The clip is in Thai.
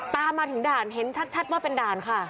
ตามมาถึงด่านเห็นชัดว่าเป็นด่านค่ะ